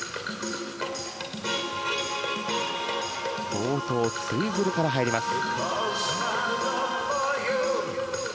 冒頭、ツイズルから入ります。